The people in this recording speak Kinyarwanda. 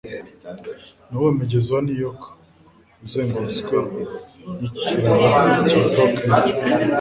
Nuwuhe mugezi wa New York uzengurutswe n'ikiraro cya Brooklyn?